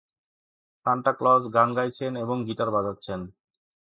Santa Claus গান গাইছেন এবং গিটার বাজাচ্ছেন।